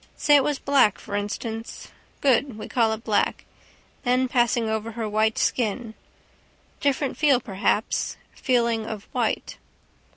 Say it was black, for instance. Good. We call it black. Then passing over her white skin. Different feel perhaps. Feeling of white.